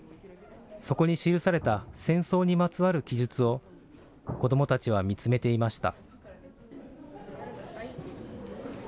そこに記された戦争にまつわる記述を、子どもたちは見つめていました。